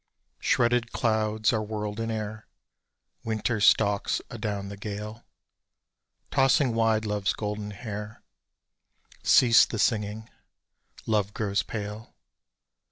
Shredded clouds are whirled in air, Winter stalks adown the gale Tossing wide Love's golden hair Cease the singing Love grows pale.